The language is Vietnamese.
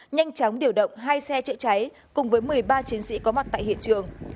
nhanh chóng điều động hai xe chữa cháy cùng với một mươi ba chiến sĩ có mặt tại hiện trường